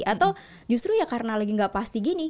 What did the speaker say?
atau justru ya karena lagi nggak pasti gini